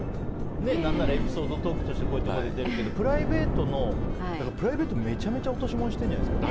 何ならエピソードトークとしてこういうところで出るけどプライベートめちゃめちゃ落とし物してるんじゃないですか。